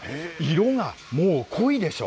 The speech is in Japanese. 色がもう、濃いでしょ。